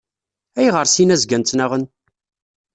Ayɣer sin-a zgan ttnaɣen?